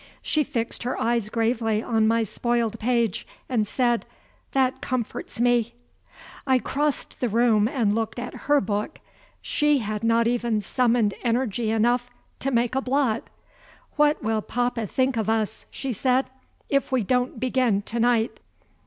She fixed her eyes gravely on my spoiled page, and said: "That comforts me." I crossed the room, and looked at her book. She had not even summoned energy enough to make a blot. "What will papa think of us," she said, "if we don't begin to night?"